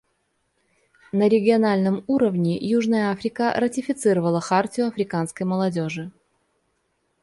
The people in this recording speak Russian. На региональном уровне Южная Африка ратифицировала Хартию африканской молодежи.